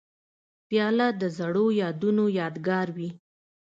پیاله د زړو یادونو یادګار وي.